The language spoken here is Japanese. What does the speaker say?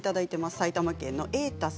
埼玉県の方。